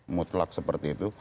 mutlak seperti itu